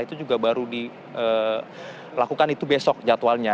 itu juga baru dilakukan itu besok jadwalnya